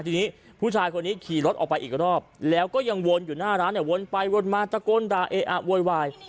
ทีนี้ผู้ชายคนนี้ขี่รถออกไปอีกรอบแล้วก็ยังวนอยู่หน้าร้านเนี่ยวนไปวนมาตะโกนด่าเออะโวยวาย